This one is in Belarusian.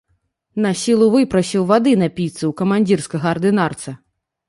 Насілу выпрасіў вады напіцца ў камандзірскага ардынарца.